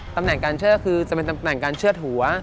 ตำแหน่งการเชื่อคือจะเป็นตำแหน่งการเชื่อดหัว